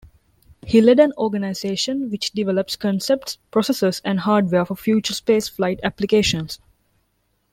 He led an organization which develops concepts, processes and hardware for future spaceflight applications.